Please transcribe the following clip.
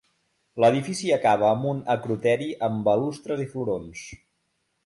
L'edifici acaba amb un acroteri amb balustres i florons.